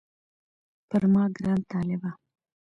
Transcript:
پر ما ګران طالبه